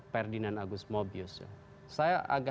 ferdinand august mobius saya agak